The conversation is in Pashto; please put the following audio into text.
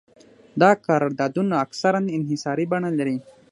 دا قراردادونه اکثراً انحصاري بڼه لري